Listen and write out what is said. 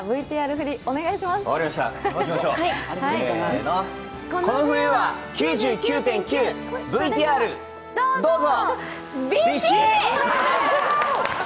せーの、この冬は「９９．９」、ＶＴＲどうぞ！